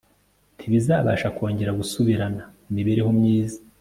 Ntibazabasha kongera gusubirana imibereho myiza